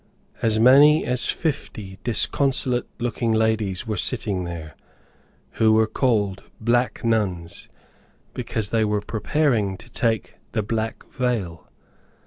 As many as fifty disconsolate looking ladies were sitting there, who were called Black Nuns, because they were preparing to take the Black Veil.